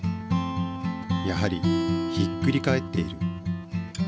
やはりひっくり返っている。